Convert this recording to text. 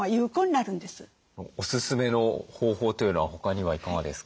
おすすめの方法というのは他にはいかがですか？